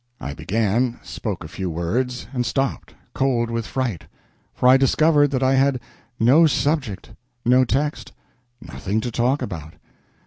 I began, spoke a few words, and stopped, cold with fright; for I discovered that I had no subject, no text, nothing to talk about.